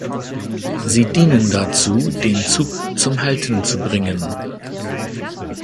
Sie dienen dazu, den Zug zum Halten zu bringen.